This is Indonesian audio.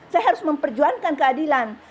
saya harus memperjuangkan keadilan